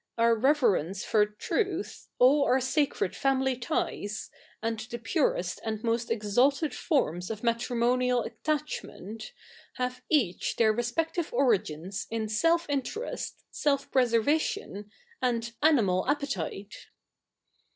Our reverence for truth, all our sacred family ties, and the purest and most exalted forms of matrimonial attachment, have each their respective origins in self interest, selfpre servatioji, and animal appetite.